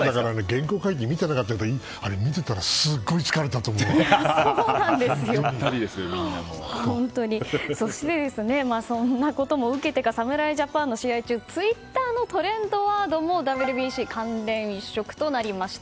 原稿書いて見てなかったからあれ、見てたらそして、そんなことも受けてか侍ジャパンの試合中ツイッターのトレンドワードもＷＢＣ関連一色となりました。